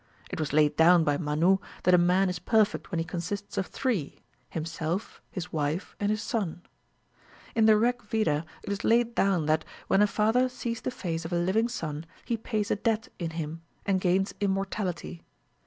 It was laid down by Manu that a man is perfect when he consists of three himself, his wife, and his son. In the Rig Veda it is laid down that, when a father sees the face of a living son, he pays a debt in him, and gains immortality.